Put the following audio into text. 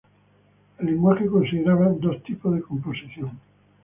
El lenguaje consideraba dos tipos de composición.